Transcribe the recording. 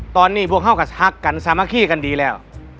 ตอนนี้พวกเขาก็ทักกันสามัคคีกันดีแล้ว